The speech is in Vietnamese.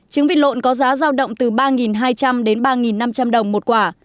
trứng vịt lộn có giá giao động từ ba hai trăm linh đến ba năm trăm linh đồng một quả